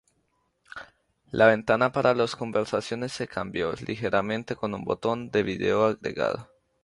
La ventana para las conversaciones se cambió ligeramente con un botón de vídeo agregado.